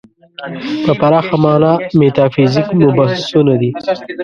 په پراخه معنا میتافیزیک مبحثونه دي.